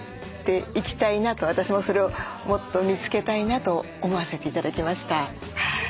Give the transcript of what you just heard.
私もそれをもっと見つけたいなと思わせて頂きました。